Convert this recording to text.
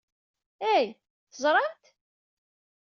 Hey, teẓramt?